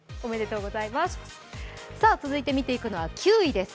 続いて見ていくのが９位です